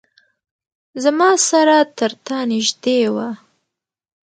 زما سره ترتا نیژدې وه